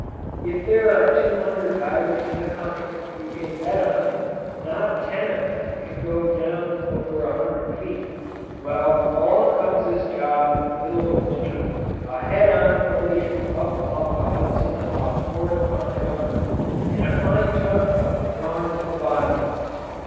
If there are two hundred divers in the country, you can bet on it not ten of them can go down over a hundred feet. Well, along comes this job in the middle of winter a head on collision up the Hudson off Fort Montgomery, and a fine tug boat gone to the bottom.